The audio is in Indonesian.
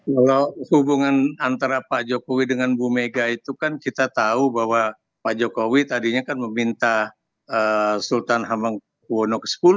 kalau hubungan antara pak jokowi dengan bu mega itu kan kita tahu bahwa pak jokowi tadinya kan meminta sultan hamengkuwono x